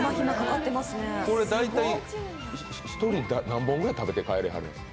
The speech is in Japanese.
これ、大体１人何本ぐらい食べていかれるんですか？